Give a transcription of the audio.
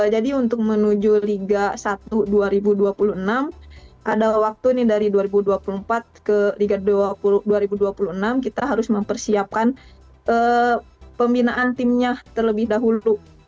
jadi untuk menuju liga satu dua ribu dua puluh enam ada waktu ini dari dua ribu dua puluh empat ke liga dua ribu dua puluh enam kita harus mempersiapkan pembinaan timnya terlebih dahulu